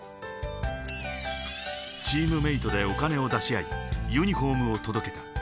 チームメートでお金を出し合い、ユニホームを届けた。